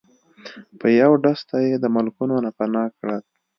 په یو ډز ته یی د ملکونو نه پناه کړل